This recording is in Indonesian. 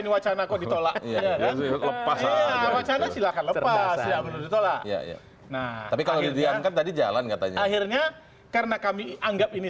wacana silahkan lepas ya nah tapi kalau diangkat tadi jalan katanya akhirnya karena kami anggap ini